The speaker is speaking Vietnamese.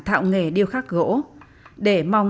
thạo nghề điêu khắc gỗ